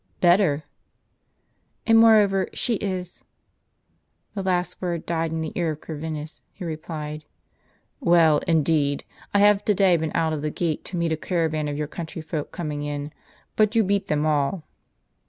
" Better !"" And moreover she is —" the last word died in the ear of Corvinus, who replied : "Well, indeed, I have to day been out of the gate to meet a caravan of your countryfolk coming in ; but you beat them all!"